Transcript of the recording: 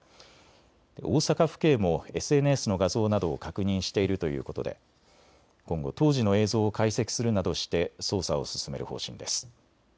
大阪府警もＳＮＳの画像などを確認しているということで今後、当時の映像を解析するなどして捜査を進める方針です。